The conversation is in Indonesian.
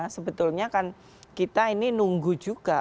sebetulnya kan kita ini nunggu juga